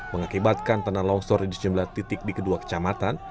mengakibatkan tanah longsor di sejumlah titik di kedua kecamatan